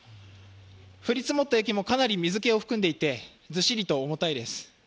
降り積もった雪もかなり水気を含んでいてずしりと重たいです。